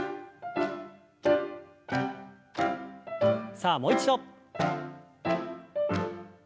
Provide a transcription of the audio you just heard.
さあもう一度。